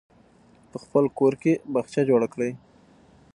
په خپل کور کې باغچه جوړه کړئ.